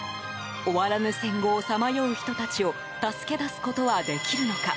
終わらぬ戦後をさまよう人たちを助け出すことはできるのか？